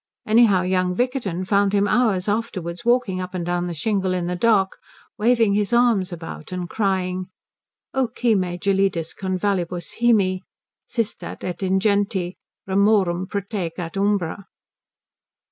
Anyhow young Vickerton found him hours afterwards walking up and down the shingle in the dark, waving his arms about and crying "O, qui me gelidis convallibus Haemi Sistat et ingenti ramorum protegat umbra!"